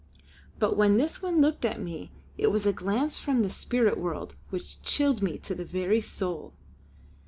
But when this one looked at me it was a glance from the spirit world which chilled me to the very soul.